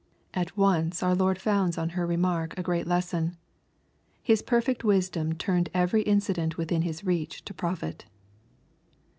At once our Lord founds on her remark a great lesson. His perfect wisdom turned every incident within His reach to profit.